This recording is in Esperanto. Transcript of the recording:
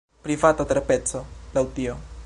Privata terpeco, laŭ tio.